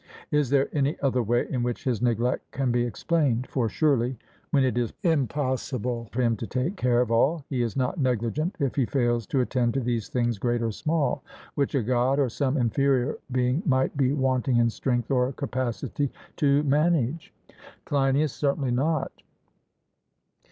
Is there any other way in which his neglect can be explained? For surely, when it is impossible for him to take care of all, he is not negligent if he fails to attend to these things great or small, which a God or some inferior being might be wanting in strength or capacity to manage? CLEINIAS: Certainly not.